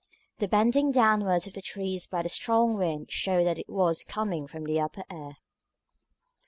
The bending downwards of the trees by the strong wind showed that it was coming from the upper air.